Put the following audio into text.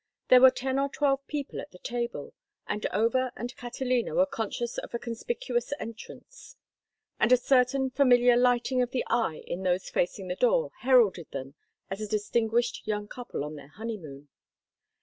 There were ten or twelve people at the table, and Over and Catalina were conscious of a conspicuous entrance; and a certain familiar lighting of the eye in those facing the door heralded them as a distinguished young couple on their honeymoon.